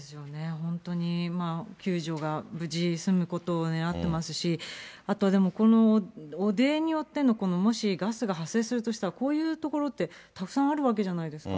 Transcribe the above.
本当に救助が無事済むことを願ってますし、あと、でも、この汚泥によっての、このもし、ガスが発生するとしたら、こういう所ってたくさんあるわけじゃないですか。